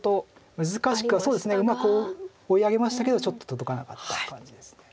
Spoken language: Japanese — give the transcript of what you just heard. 難しくうまく追い上げましたけどちょっと届かなかった感じです。